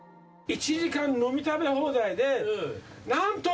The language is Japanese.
１時間飲み食べ放題で、なんと。